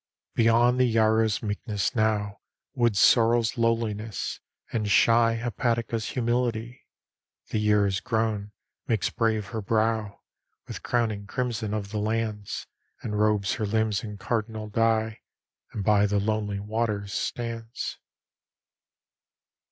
Beyond the yarrow's meekness now, Wood sorrel's lowliness, and shy Hepatica's humility, The Year is grown: makes brave her brow With crowning crimson of the lands, And robes her limbs in cardinal dye, And by the lonely waters stands.